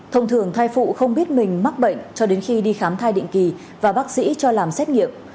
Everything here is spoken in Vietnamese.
thông thường thai phụ không biết mình mắc bệnh cho đến khi đi khám thai định kỳ và bác sĩ cho làm xét nghiệm